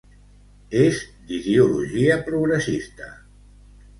És d'ideologia progressista.